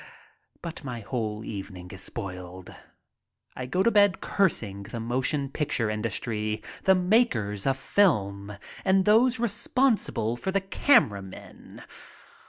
But my whole evening is spoiled. I go to bed cursing the motion picture industry, the makers of film, and those responsible for camera men.